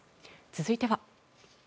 続いては。